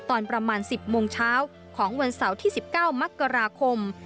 ตอนประมาณ๑๐โมงเช้าของวันเสาร์ที่๑๙มกราคม